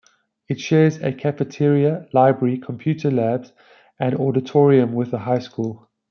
It shares the cafeteria, library, computer labs, and auditorium with the high school.